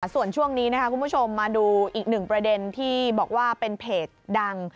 ส่วนช่วงนี้คุณผู้ชมมาดูอีกหนึ่งประเด็นที่บอกว่าเป็นเพจดัง